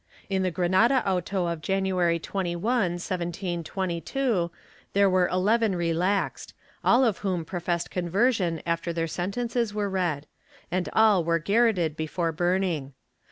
In the Gra nada auto of January 21, 1722, there were eleven relaxed, all of whom professed conversion after their sentences were read, and all were garrotted before burning.